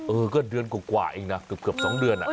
เออก็เดือนกว่าเองนะเกือบ๒เดือน